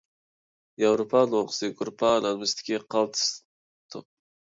ياۋروپا لوڭقىسى گۇرۇپپا ئايلانمىسىدىكى قالتىس توپ.